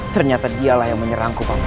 ternyata dialah yang menyerangku pak man